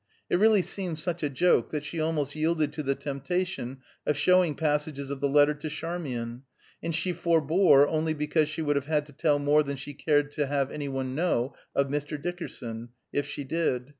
It really seemed such a joke, that she almost yielded to the temptation of showing passages of the letter to Charmian; and she forebore only because she would have had to tell more than she cared to have any one know of Mr. Dickerson, if she did.